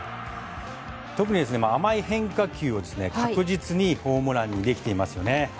特に、甘い変化球を確実にホームランできていますよね。